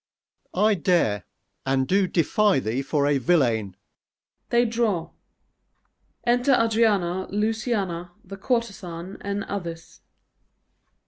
_ I dare, and do defy thee for a villain. [They draw. _Enter ADRIANA, LUCIANA, the Courtezan, and others.